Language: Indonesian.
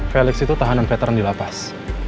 felix itu tahanan veteran di lapas